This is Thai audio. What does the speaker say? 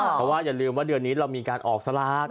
เพราะว่าอย่าลืมว่าเดือนนี้เรามีการออกสลาก